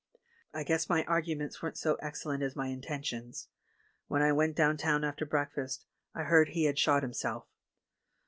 I guess my arguments weren't so excellent as my intentions — when I went down town after break fast I heard he had shot himself.